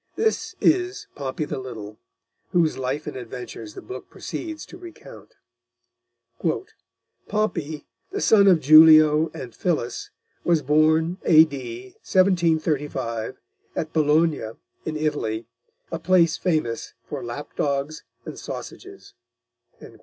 This is Pompey the Little, whose life and adventures the book proceeds to recount. "Pompey, the son of Julio and Phyllis, was born A.D. 1735, at Bologna in Italy, a place famous for lap dogs and sausages."